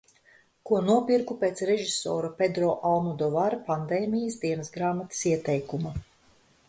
Ko nopirku pēc režisora Pedro Almodovara pandēmijas dienasgrāmatas ieteikuma.